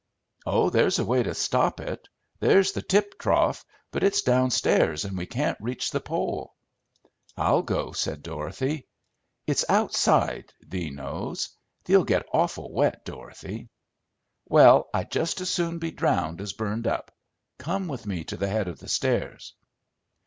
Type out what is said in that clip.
"Oh, there's a way to stop it. There's the tip trough, but it's downstairs and we can't reach the pole." "I'll go," said Dorothy. "It's outside, thee knows. Thee'll get awful wet, Dorothy." "Well, I'd just as soon be drowned as burned up. Come with me to the head of the stairs."